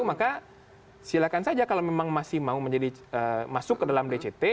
maka silakan saja kalau memang masih mau menjadi masuk ke dalam dct